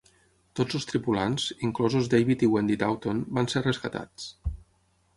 Tots els tripulants, inclosos David i Wendy Touton, van ser rescatats.